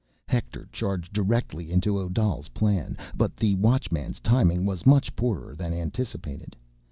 Hector charged directly into Odal's plan, but the Watchman's timing was much poorer than anticipated.